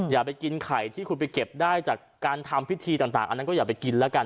อย่าไปกินไข่ที่คุณไปเก็บได้จากการทำพิธีต่างอันนั้นก็อย่าไปกินแล้วกัน